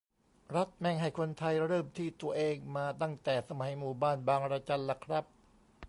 "รัฐแม่งให้คนไทยเริ่มที่ตัวเองมาตั้งแต่สมัยหมู่บ้านบางระจันละครับ"